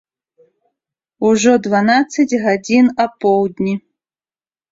Ужо дванаццаць гадзін апоўдні.